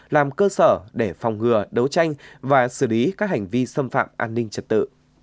làm cơ sở để phòng ngừa đấu tranh và xử lý các hành vi xâm phạm an ninh trật tự